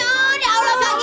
ya allah pak gino mati